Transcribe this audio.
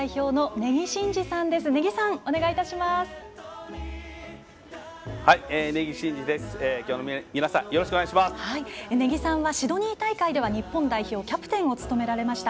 根木さんはシドニー大会では日本代表キャプテンを務められました。